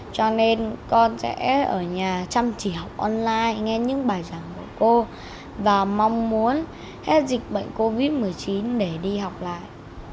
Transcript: cho nên con sẽ ở nhà chăm chỉ học online nghe những bài giảng của cô và mong muốn hết dịch bệnh covid một mươi chín để đi học lại